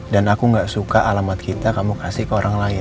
dan aku gak suka alamat kita kamu kasih ke orang lain